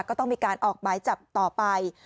ก็ต้องมีการออกหมายจับต่อไป